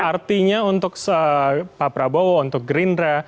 artinya untuk pak prabowo untuk gerindra